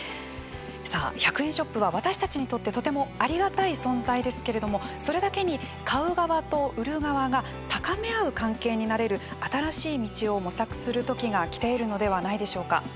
さあ１００円ショップは私たちにとってとてもありがたい存在ですけれどもそれだけに買う側と売る側が高め合う関係になれる新しい道を模索するときが来ているのではないでしょうか。